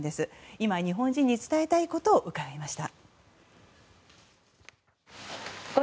今、日本人に伝えたいことを聞きました。